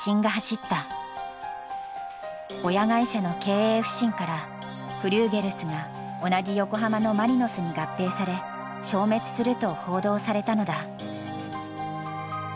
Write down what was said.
親会社の経営不振からフリューゲルスが同じ横浜のマリノスに合併され消滅すると報道されたのだ。